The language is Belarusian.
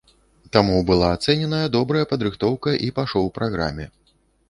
Таму была ацэненая добрая падрыхтоўка і па шоу-праграме.